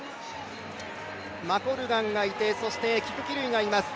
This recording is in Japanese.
マコルガンがいてキプキルイがいます。